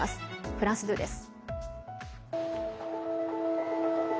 フランス２です。